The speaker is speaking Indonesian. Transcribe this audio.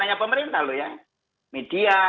hanya pemerintah loh ya media